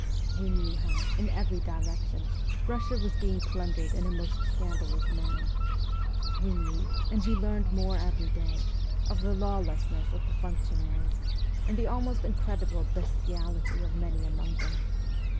We knew how, in every direction, Bussia was being plundered in a most scandalous manner. We knew, and we learned more every day, of the lawlessness of the functionaries, and the almost incredible bestiality of many among them.